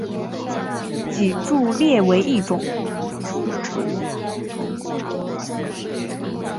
脊柱裂为一种。